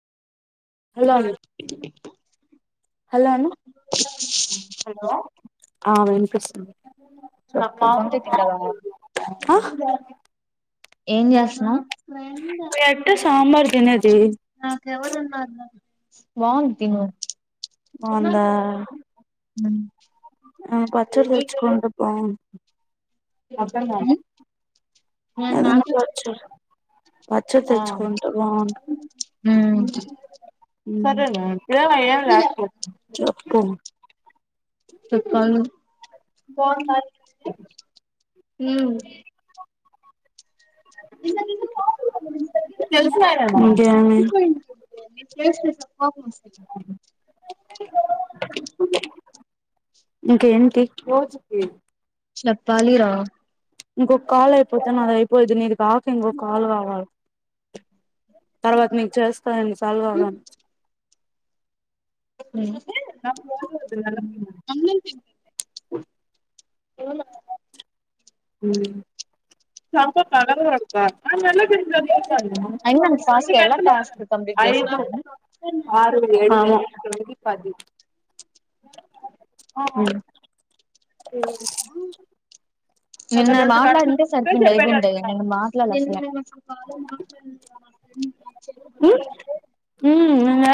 hello హలోను వంకాయ తింటావా హా ఏం చేస్తున్నా మీ అత్త సాంబార్ తినేది నాకెవరున్నారు వాంగ్తను బాగుందా ఆ పచ్చర వచ్చకుంటపం వద్దన్న వచ్చు వచ్చే తెచ్చుకుంటారు బాగుంటది సరేలే ఇద మై లాస్ట్ చెప్పు చెప్పాలి పో ఉమ్ తెలుసులేరా ఇంకేమి ఇంకా ఏంటి రోజుకి చెప్పాలి రా ఇంకో కాల అయిపోతే నాది అయిపోయిద్ది నీది కాక ఇంకో కాలు కావాలి తర్వాత మీకు చేస్తా ఎన్ని సార్లు కావాలో అన్ని సార్లు నా పోదు ఎవన్నా సంపకాపా న పెరిది అయి వన్ ఫస్ ఎ టస్క్ కంప్లీట్ చేసి ఐదు ఆరు ఏడు తొమ్మిది పది ఆ అవు ఏ ఒక నిన్న రెండు గంటలు మాట్లాడింటే ఉంటే సరిపోయిండ అయిపోయిండువు చెప్పేటట్టున్నాం నిన్న మాట్లాడలే ఉమ్